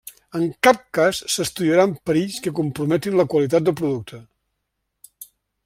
En cap cas s'estudiaran perills que comprometin la qualitat del producte.